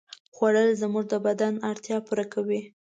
خوړل زموږ د بدن اړتیا پوره کوي